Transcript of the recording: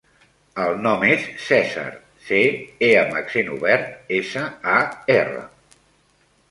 El nom és Cèsar: ce, e amb accent obert, essa, a, erra.